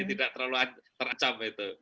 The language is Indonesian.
tidak terlalu terancam